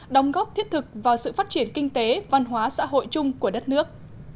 đóng góp thiết thực vào sự phát triển kinh tế văn hóa xã hội chung của đất nước